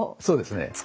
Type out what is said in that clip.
そうですね。